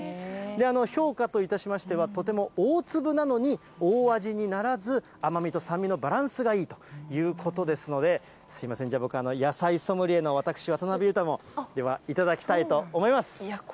評価といたしましては、とても大粒なのに、大味にならず、甘みと酸味のバランスがいいということですので、すみません、僕、野菜ソムリエの私、渡辺裕太も、では、頂きたいと思います。